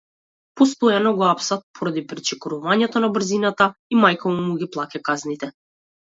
Постојано го апсат поради пречекорување на брзината и мајка му ги плаќа казните.